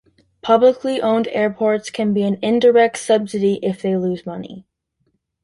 Publicly owned airports can be an indirect subsidy if they lose money.